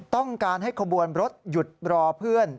ต้องการให้ขบวนรถหยุดรอเพื่อน